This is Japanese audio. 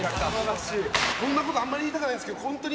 こんな事あんまり言いたくないんですけど。